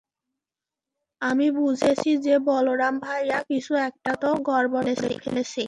আমি বুঝেছি যে বলরাম ভাইয়া কিছু একটা তো গড়বড় করে ফেলেছে।